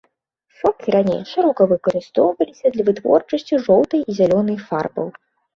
Сокі раней шырока выкарыстоўваліся для вытворчасці жоўтай і зялёнай фарбаў.